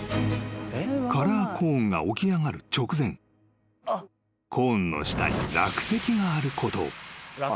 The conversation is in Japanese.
［カラーコーンが起き上がる直前コーンの下に落石があることを］